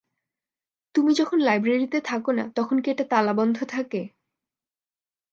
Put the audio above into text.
তুমি যখন লাইব্রেরিতে থাক না, তখন কি এটা তালাবন্ধ থাকে?